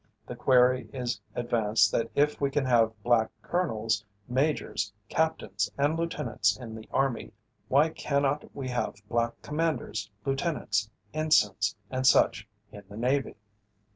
The query is advanced that if we can have black colonels, majors, captains and lieutenants in the army, why cannot we have black commanders, lieutenants, ensigns and such in the Navy?